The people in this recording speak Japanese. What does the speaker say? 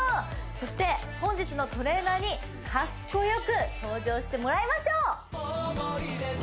そして本日のトレーナーにかっこよく登場してもらいましょう！